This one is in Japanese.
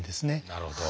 なるほど。